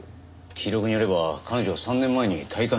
記録によれば彼女は３年前に退官しています。